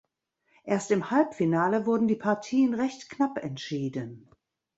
Erst im Halbfinale wurden die Partien recht knapp entschieden.